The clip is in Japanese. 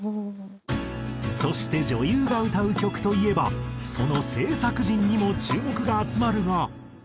そして女優が歌う曲といえばその制作陣にも注目が集まるが。